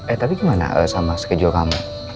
eh tapi gimana sama schedule kamu